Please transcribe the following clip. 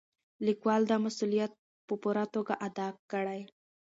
لیکوال دا مسؤلیت په پوره توګه ادا کړی.